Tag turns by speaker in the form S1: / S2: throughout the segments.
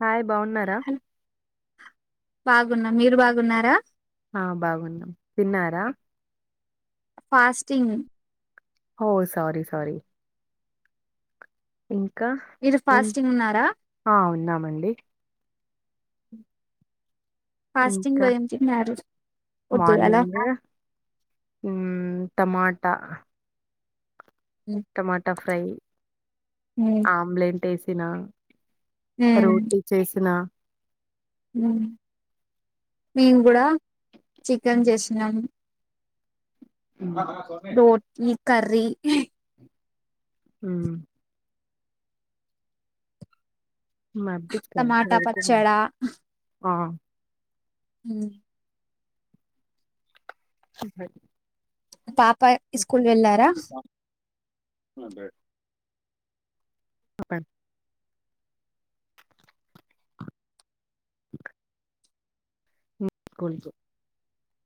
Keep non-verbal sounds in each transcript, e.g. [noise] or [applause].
S1: Hi బాగున్నారా
S2: బాగున్న మీరు బాగున్నారా
S1: ఆ బాగున్నాం తిన్నారా
S2: ఫాస్టింగ్
S1: హో సారీ సారీ ఇంకా
S2: మీరు
S1: హ్మ్
S2: ఫాస్టింగ్ ఉన్నారా
S1: ఆహ్ ఉన్నాం మండి
S2: ఫాస్టింగ్
S1: ఇంకా
S2: లో ఏం తిన్నారు వద్దు అలా
S1: మార్నింగ్ హ్మ్ టమాటా టమాటా ఫ్రై ఆమ్లేంటేస్ తిన రోటీ చేసిన
S2: మేము కూడా చికెన్
S1: హ్మ్,
S2: చేసినాం
S1: హ్మ్
S2: రోటీ కర్రీ
S1: హ్మ్ మాబిచ్చకర్
S2: టమాటా
S1: [unintelligible]
S2: పచ్చడా
S1: ఆ
S2: హ్మ్
S1: చెప్పండి
S2: తాప్ పయ్ స్కూల్ వెళ్ళారా
S1: ఓప్పం కొల్గు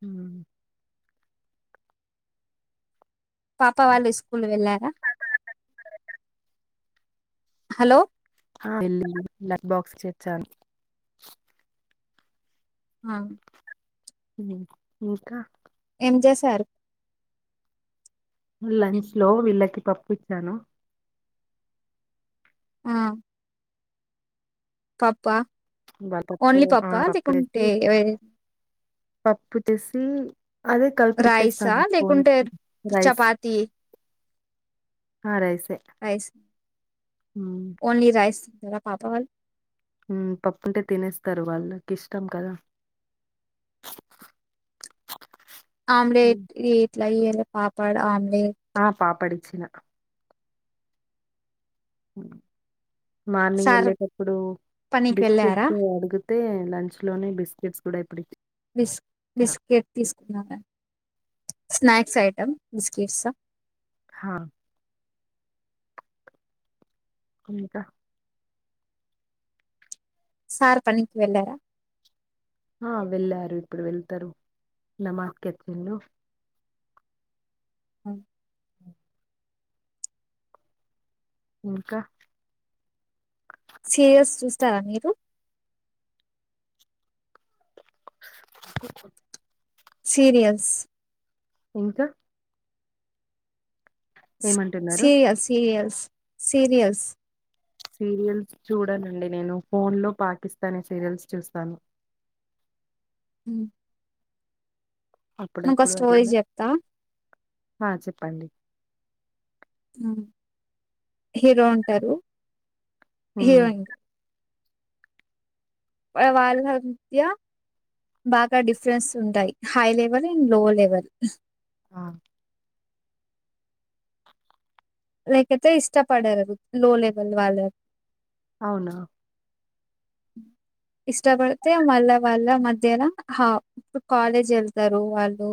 S1: హు
S2: పాప వాళ్ళు స్కూల్ వెళ్ళ హలో
S1: హా యెల్లీలు లంచ్ బాక్స్ ఇచ్చి వచ్చాను
S2: ఆ
S1: ఇంకా
S2: ఏంచేసారు
S1: లంచ్ లో వీళ్ళకి పప్పు ఇచ్చాను
S2: ఆ పప్ప
S1: వాళ్ళ పప్పు
S2: ఓన్లీ
S1: ఆ
S2: పప్ప
S1: పప్పు వేసి
S2: లేకుంటే
S1: పప్పు చేసి అదే కలిపి
S2: రైసా
S1: పేట్టేస్తాను
S2: లేకుంటే
S1: పోనీకి రైస్
S2: చపాతి
S1: హా రైసే
S2: రైస్
S1: హ్మ్
S2: ఓన్లీ రైస్ తురా పాపా వాల్
S1: పప్పు ఉంటే తినేస్తారు వాళ్ళకి ఇష్టం కదా
S2: ఆమ్లేట్
S1: ఉమ్.
S2: ఈ గ ఇయాలే పాపడ్ అమే
S1: ఆ పాపడి ఇచ్చిన ఉ మార్నింగ్
S2: సర్ఫ్
S1: ఏళ్ళేటప్పుడు
S2: పనికి
S1: బిస్కెట్
S2: వెళ్ళారా
S1: అడుగు అయితే లంచ్ లోనే బిస్కెట్స్ కూడా ఇప్పుడు ఇచ్చ
S2: బిస్ బిస్కెట్ తీసుకున్నా మేం స్నాక్స్ ఐటెమ్ బిస్కెట్సా
S1: హా ఇంక
S2: సార్ పనికి వెళ్ళార
S1: ఆ వెళ్ళారు ఇప్పుడు వెళ్తారు ఇన మార్కెట్ పోయిండు
S2: ఆ
S1: ఇంకా
S2: సీరియల్స్ చూస్తారా మీరు సీరియల్స్
S1: ఇంకా ఏమంటున్నారు
S2: సీరియల్స్ సీరియల్స్ సీరియస్
S1: సీరియల్స్ చూడనండి నేను ఫోన్ లో పాకిస్తానీ సీరియల్స్ చూస్తాను
S2: ఉ నీకు ఒక
S1: అప్పుడప్పుడు అది
S2: స్టోరీ
S1: కూడా
S2: చెప్తా
S1: ఆ చెప్పండి
S2: హ హీరో ఉంటారు
S1: హ్మ్
S2: ఏవం వాళ్ళ మధ్య బాగా డిఫరెన్స్ ఉంటాయి. High level in low level.
S1: ఆ
S2: లేకతే ఇష్టపడరు లో లెవెల్ వాళ్ళారు
S1: అవునా
S2: ఇష్టపడితే మళ్ళా వాళ్ళ మధ్యన హాఫ్ కాలేజ్ వెళ్తారు వాళ్ళు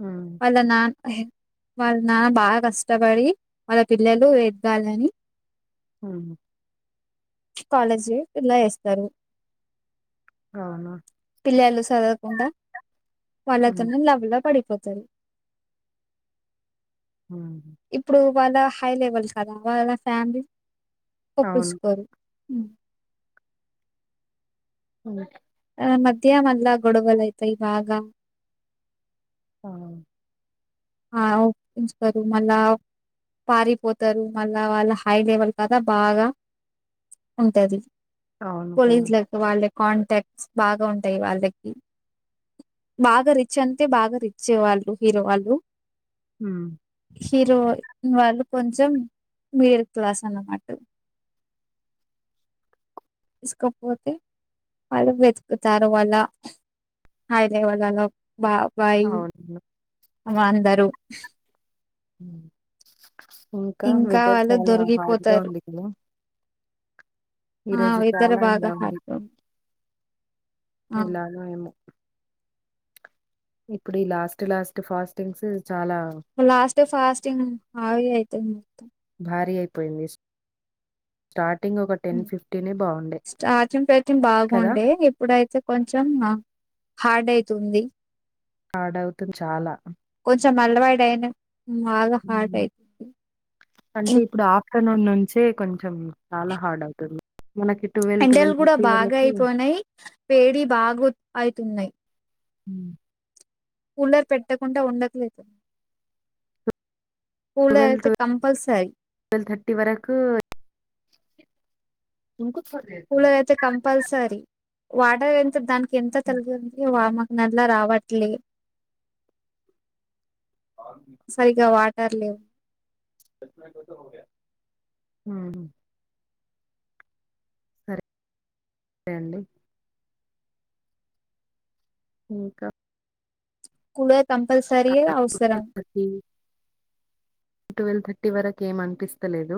S1: హ్మ్
S2: వాళ్ల నాన్న వాళ్ళ నాన్న బాగా కష్టపడి వాళ్ళ పిల్లలు ఎదగాలని
S1: ఆ
S2: కాలేజి ఎట్ల వేస్తారు
S1: అవును.
S2: పిల్లలు చదవకుండా
S1: హ్మ్
S2: వాళ్ళతోనే లవ్ లో పడిపోతు సరి
S1: హ
S2: వాళ్ళ హై లెవెల్స్ కదా వాళ్ళ ఫ్యామిలీ
S1: అవును.
S2: పప్పసుకో ఉ
S1: అ
S2: ఆ మధ్యన మల్ల గొడవలయితాయి బాగా
S1: ఆ
S2: ఆ ఉంచుతారు మళ్ళా పారిపోతారు. మళ్ళా వాళ్ళ హై లెవెల్ కదా బాగా ఉంటది.
S1: అవును కదా!
S2: పోలీస్ల వాళ్ళ కాంటాక్ట్స్ బాగా ఉంటాయి. వాళ్ళకి బాగా రిచ్ అంటే బాగా రిచ్ వాళ్ళు హీరో వాళ్ళు.
S1: హ
S2: హీరోన్ వాళ్ళు కొంచెం మిడిల్ క్లాస్ అన్నమాట. తీసుకోపోతే వాళ్ళు వెతుకుతారు. వాళ్ళ హై లెవెల్లో బాబాయ్
S1: అవును.
S2: అమ అందరూ
S1: అ ఇంకా వెదర్
S2: వాళ్ళు
S1: చాలా హార్డ్గా
S2: దొరికిపోతారు
S1: ఉంది కద.
S2: ఆ ఇద్దర భాగాహట్
S1: ఎలాగో ఏమె ఇప్పుడు లాస్ట్ లాస్ట్ ఫాస్టింగ్స్. చాలా
S2: లాస్ట్ ఫాస్టింగ్ హావి అవుతుది మొత్తం
S1: బయనీష్ స్టార్ట్
S2: స్టార్టింగ్ ఫైటింగ్
S1: కదా!
S2: బాగుండే ఇప్పుడైతే కొంచం హార్డ్ అయితుంది
S1: ఆడవుతే చాలా
S2: కొంచెం అలవాటు అయిన బాగా హార్ట్ అయితుంది
S1: అంటే ఇప్పుడు ఆఫ్టర్నూన్ నుంచే కొంచెం చాలా హార్డ్ అవుతుంది మనకి
S2: ఎండలు కూడా బాగా
S1: వరకు
S2: అయిపోయినాయి వేడి బాగా అయి తిన్నై
S1: హ్మ్
S2: కూలర్ పెట్టకుండా ఉండట్లేదు కూలర్ అయితే కంపల్సరి
S1: ట్వెల్వ్ థర్టీ వరకు
S2: కూలర్ అయితే కంపల్సరీ వాటర్ ఎంత దానికి ఎంత తల్గు అంది వామ నల్లా రావట్లే సరిగా వాట్ తర లేవు
S1: సరే సరే అండి ఇంకా
S2: కూలర్ కంపల్సరీ అవసరం
S1: ట్వెల్వ్ థర్టీ ట్వెల్వ్ థర్టీ వరకు ఏం అనిపిస్తలేదు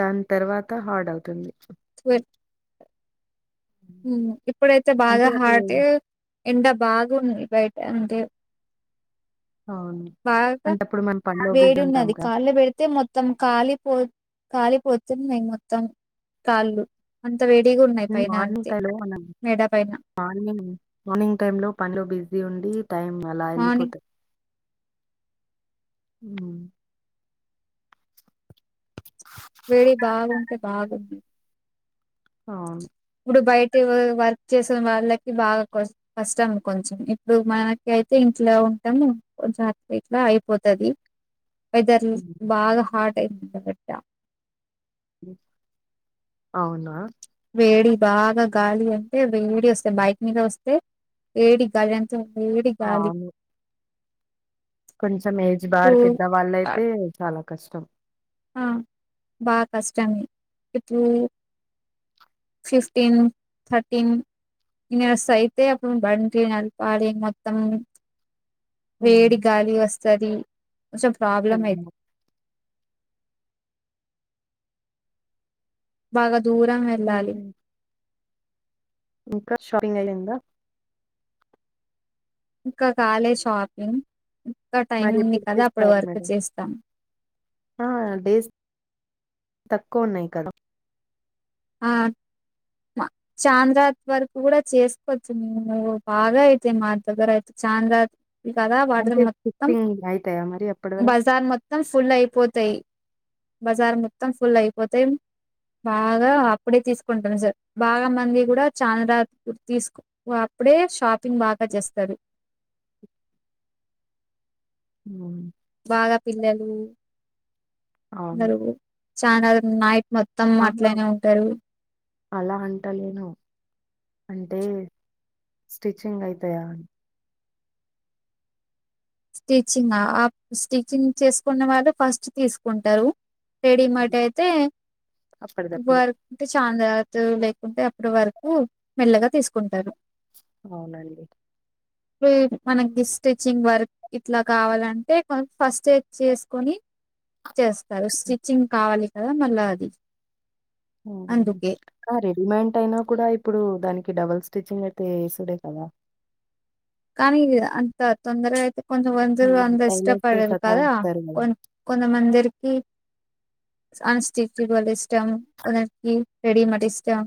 S1: దాని తర్వాత హార్డ్ అవుతుంది
S2: [unintelligible] హ్మ్ ఇప్పుడైతే బాగా
S1: అంటే అప్పుడు
S2: హార్టి ఎండ బాగ ఉంది బయట అంతే
S1: అవును
S2: [unintelligible]
S1: అంటే అప్పుడు మనం పనిలో బిజీ
S2: వేడి
S1: ఉంటాం
S2: ఉన్నది
S1: కా
S2: కాళ్ళు పెడితే మొత్తం కాలిపో కాలిపోతుంది మేము మొత్తం కాళ్ళు. వేడిగా ఉన్నాయి పైన
S1: మార్నింగ్
S2: అంతే
S1: టై లో మన
S2: మెడ పైన
S1: మార్నింగ్ మార్నింగ్ టైం లో పనిలో బిజీ ఉండి. టైమ్ అలా ఎల్లిపోత
S2: మార్నింగ్
S1: హ్మ్
S2: వేడి బాగుంటే బాగుంది
S1: అవును.
S2: ఇప్పుడు బయట వర్క్ చేసిన వాళ్ళకి బాగా కష్ట కష్టం కొంచం ఇప్పుడు మనకి అయితే ఇంట్లో ఉంటాము కొంచెం అట్ల ఇట్లా అయిపోతాది. వెదరు
S1: ఉమ్,
S2: బాగా హాట్. [unintelligible]
S1: అవునా
S2: వేడి బాగా గాలి అంటే వేడి వస్తే బైక్ మీద వస్తే వేడి గాలి అం తే వేడి గాలి.
S1: కొంచం ఏజ్ బార్
S2: ఇప్పుడు
S1: పెద్ద వాళ్ళు అయితే చాలా. కష్టం.
S2: ఆ బాగా కష్టం ఇప్పుడు. ఫిఫ్టీన్ థర్టీన్ ఇయర్స్ అయితే అప్పుడు బండి నడపాలి మొత్తం.
S1: ఉమ్,
S2: వేడి గాలి వస్తు. స్తాది కొంచం ప్రాబ్లమ్ అయి
S1: అదే.
S2: బాగా. దూరం వెళ్ళాలి.
S1: ఉమ్. ఇంకా షాపింగ్ అయిందా.
S2: ఇంకా కాలే షాపింగ్. ఇంకా టైం
S1: మరి
S2: ఉంది
S1: ఎప్పుడు
S2: కదా అప్పుడి
S1: చేస్తారు
S2: వరకు
S1: మేడం
S2: చేస్తా.
S1: ఆ డేస్ తక్కువ ఉన్నాయి కదా.
S2: ఆ చందార్ వరకు కూడా చేసుకోవచ్చు మేము బాగా అయితే మా దగ్గర అయితే చందార్ కదా వాటిలో
S1: అంటే
S2: మొత్తం
S1: స్టిచ్చింగ్ అయితాయా మరి అప్పటి వరకు
S2: బజార్ మొత్తం ఫుల్ అయిపోతాయి. బజార్ మొత్తం ఫుల్ అయిపోతాయి బాగా. అప్పుడే తీసుకుంటాం సార్ బాగా మంది కూడా చాల రాత్రి తీసు అప్పుడే షాపింగ్ బాగా చేస్తారు.
S1: హ్మ్.
S2: బాగా పిల్లలు.
S1: అవును
S2: నాలుగురు. చానా నాయిట్.
S1: ఆహా అలా అంటలేను అంటే. స్టిచ్చింగ్ అయితాయా.
S2: స్టిచ్చింగ్ ఆ స్టిచ్చింగ్ చేసుకున్న వాళ్ళు ఫస్ట్ తీసుకుంటారు రెడీమేట్ అయితే..
S1: అప్పటిదప్పుడు
S2: వర్క్ చంద్రా. లేకుంటే అప్పుడు వరకు మెల్లగా తీసుకుంటారు
S1: అవునండి
S2: ఇప్పుడు మనకి స్టిచింగ్ వర్క్ ఇట్లా కావాలంటే కొం ఫస్ట్ ఏ చేసుకొని చేస్తారు స్టిచ్చింగ్ కావాలి కదా మళ్ళ అది అందుకే
S1: ఆ రెడీమేంట్ అయినా కూడా ఇప్పుడు దానికి డబుల్ స్టిచ్చింగ్ అయితే వేసుడే కదా
S2: కాని అంత తొందరగ అయితే కొంచెం అందరు
S1: మళ్ళీ
S2: అంత
S1: టైలర్స్
S2: ఇష్టపడరు కదా
S1: సతాయిస్తారు కదా
S2: కొ కొంతమందరికి ఆ స్టిచ్చింగ్ వాళ్ళు ఇష్టం కొందరికి న్ రెడిమెట్ ఇష్టం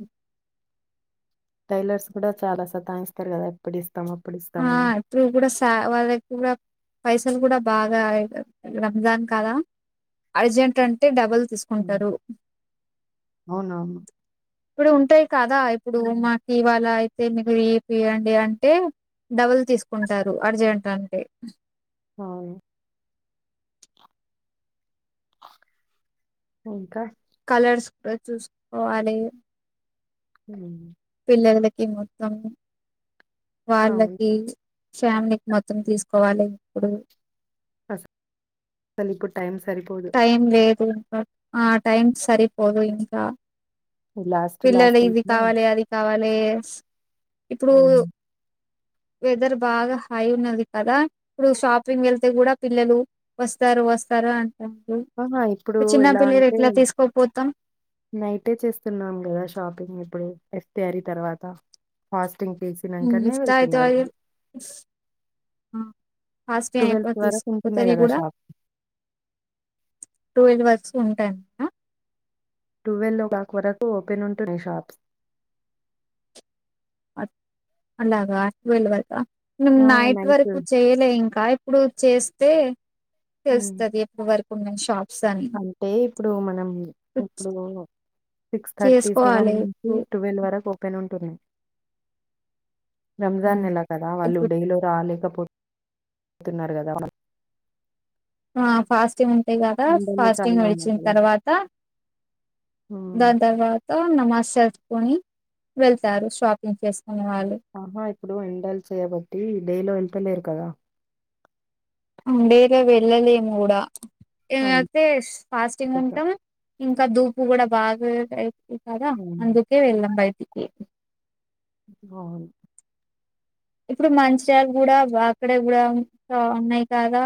S1: టైలర్స్ కూడా చాలా సతాయిస్తారు కదా ఇప్పుడు ఇస్తాం అప్
S2: ఆ ఇప్పుడు కూడా సా వాళ్ళకి కూడా పైసలు కూడా బాగా రంజాన్ కదా అర్జెంట్ అంటే డబల్
S1: హు
S2: తీసుకుంటారు
S1: అవునవును
S2: ఇప్పుడు ఉంటాయి కదా ఇప్పుడు
S1: హ్మ్.
S2: మాకు ఇవాళ మీకు ఏపియండి అంటే, డబల్ తీసుకుంటారు అర్జెంట్ అంటే,
S1: ఆవును ఇంకా
S2: కలర్స్ కూడా చూసుకోవాలి
S1: హు
S2: పిల్లలకి మొత్తం
S1: అవును
S2: వాళ్ళకి ఫ్యామిలీకి మొత్తం తీసుకోవాలి ఇప్పుడు,
S1: అసలు అసలు ఇప్పుడు టైం స
S2: టైం లేదు ఆ టైమ్ సరిపోదు ఇంకా
S1: లాస్ట్
S2: పిల్లలు
S1: లాస్ట్
S2: ఇది
S1: వీక్ లో
S2: కావాలి అది కావాలి వేస్ ఇప్పుడు వెదర్ బాగా హే ఉన్నది కదా ఇప్పుడు షాపింగ్ వెళ్తే కూడా పిల్లలు వస్తారు వస్తారుఅ
S1: ఆహా ఇప్పుడు ఎలా అంటే
S2: ఎట్లా తీసుకోపోతాం
S1: నైటే చేస్తున్నాం కదా షాపింగ్ ఇప్పుడు ఇఫ్ తయారి తర్వాత హ
S2: ఇస్తా అయితే [inaudible] అయిపో
S1: ట్వెల్వ్ వరకు ఉంటున్నాయి
S2: అయిపోతది కదా
S1: షాప్
S2: ట్వవెల్ వర్క్స్ ఉంటానయ్య
S1: ట్వెల్వ్ ఓ క్లాక్ వరకు ఓపెన్ ఉంటుంది షాప్స్
S2: అలాగా అ వెల్ వర్గా మ నైట్ వరకు చేయలే ఇంకా ఇప్పుడు చేస్తే తెలుస్తుది ఎప్పుడు వరకు ఉన్నాయి షాప్
S1: అంటే ఇప్పుడు మనం ఇప్పుడు సిక్స్ థర్టీ సెవెన్
S2: చేసుకోవాలి
S1: నుంచి
S2: ఇప్పుడు
S1: ట్వెల్వ్ వరకు ఓపెన్ ఉంటున్నాయి రంజాన్
S2: హ్మ్.
S1: నెల కదా వాళ్ళు
S2: ఇప్పుడు
S1: డై లో రాలేకపోతు ఉంటున్నారు కదా వాళ్ళు
S2: ఆ ఫాస్టింగ్ ఉంటాయి కదా
S1: ఎండలు
S2: ఫాస్టింగ్
S1: చాలా ఉన్నాయి
S2: విడిచిన
S1: కదా
S2: తర్వాత
S1: ఉమ్.
S2: దాని తర్వాత నమాస్ సతుకుని వెళ్తారు షాపింగ్ చేసు
S1: ఆహా ఇప్పుడు ఎంండల్స కాబట్టి డైలో ట్టలేకదా
S2: ఉండేలా వెళ్ళలేము కూడా ఏమైతే ఫాస్టింగ్
S1: అందుకోసం.
S2: ఉంటాం ఇంకా దూ పూ కూడాడా బాగా అయి ఇ కదా
S1: హ్మ్.
S2: అందుకే వెల్ంబ అయితకి
S1: అవును
S2: ఇప్పుడు మంచిలు కూడా అక్కడే కూడా ఉన్నాయి కాదా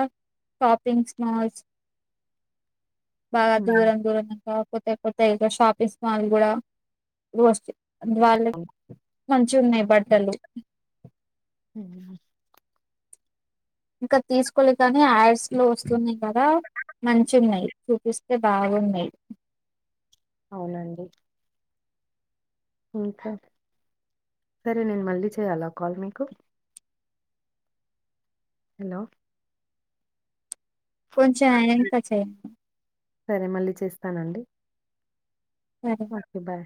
S2: షాపింగ్ మాల్స్ బా దూరం దూరం కపోతేపోతే ఇ షాపింగ్ మాల్ కూడా రూస్ ందువాళ మంచి ఉన్నాయి బట్టలు
S1: హ
S2: ఇంకా తీసుకోవలేి కానీ యాడ్స్ లో వస్తున్నాయి కదా మంచి ఉన్నాయి
S1: హ్మ్.
S2: చూపిస్త బాగున్నాయి
S1: అవునండి కా సరే నేను మళ్ళీ చేయాలా కాల్ మీకు హలో
S2: కొంచెం ఎనంక చేయండి
S1: చెస్తానండి
S2: సరే
S1: ఓకే బాయ్